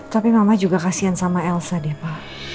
tapi mama juga kasihan sama elsa deh pak